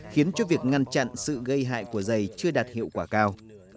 khiến cho việc ngăn chặn sự gây hại của dày chưa đạt hiệu quả cao